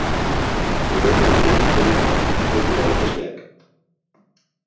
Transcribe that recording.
Ondorio horiek, dena dela, ez dira lotesleak.